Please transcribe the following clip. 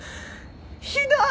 ひどい！